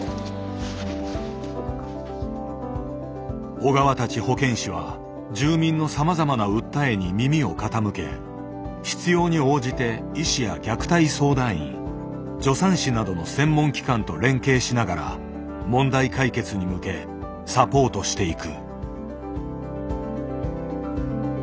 小川たち保健師は住民のさまざまな訴えに耳を傾け必要に応じて医師や虐待相談員助産師などの専門機関と連携しながら問題解決に向けサポートしていく。